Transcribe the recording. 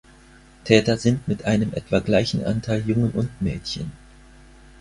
Täter sind mit einem etwa gleichen Anteil Jungen und Mädchen.